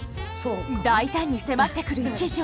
大胆に迫ってくる一条。